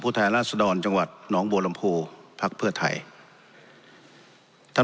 แทนราชดรจังหวัดหนองบัวลำพูพักเพื่อไทยท่าน